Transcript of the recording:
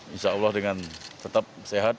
insya allah dengan tetap sehat